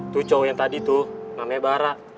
tuh cowok yang tadi tuh namanya bara